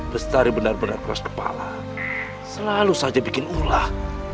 lestari benar benar keras kepala selalu saja bikin ulah